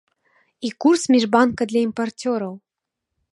І курс міжбанка для імпарцёраў.